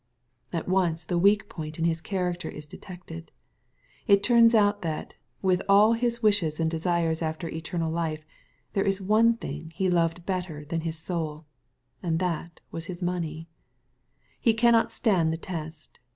At once the weak point in his character is detected. It turns out that, with all his wishes and desires after eternal life, there was one thing he loved better than his soul, and that was his money. He cannot stand the test.